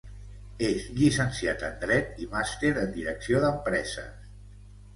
És llicenciat en dret i màster en direcció d'empreses.